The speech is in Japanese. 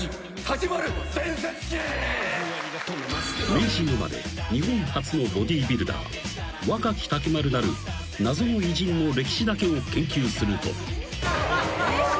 ［明治生まれ日本初のボディビルダー若木竹丸なる謎の偉人の歴史だけを研究すると］